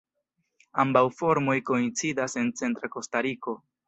Ambaŭ formoj koincidas en centra Kostariko.